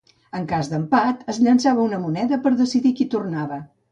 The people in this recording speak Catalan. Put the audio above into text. En cas d'empat, es llençava una moneda per decidir qui tornava.